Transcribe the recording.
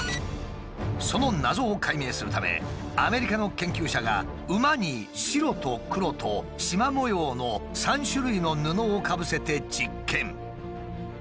その謎を解明するためアメリカの研究者が馬に「白」と「黒」と「シマ模様」の３種類の布をかぶせて実験。